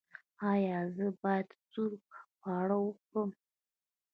ایا زه باید سوړ خواړه وخورم؟